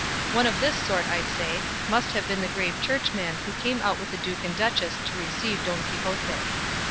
One of this sort, I say, must have been the grave churchman who came out with the duke and duchess to receive Don Quixote.